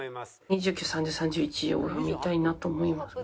２９３０３１を読みたいなと思います。